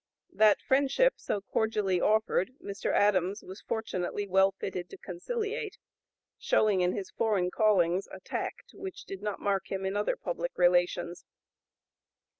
That friendship, so cordially offered, Mr. Adams was fortunately well fitted to conciliate, showing in his foreign callings a tact which did not mark him in other public relations.